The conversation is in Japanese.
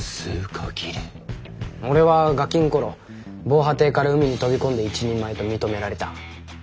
俺はガキの頃防波堤から海に飛び込んで一人前と認められた。